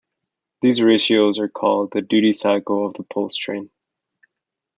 These ratios are called the "duty cycle" of the pulse train.